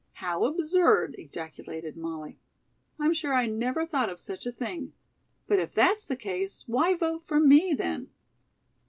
"How absurd!" ejaculated Molly. "I'm sure I never thought of such a thing. But if that's the case, why vote for me, then?"